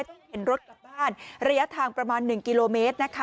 เห็นรถกลับบ้านระยะทางประมาณ๑กิโลเมตรนะคะ